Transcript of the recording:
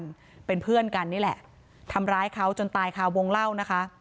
เพื่อนเป็นเพื่อนกันนี่แหละทำร้ายเขาจนตายคาวงเล่านะคะ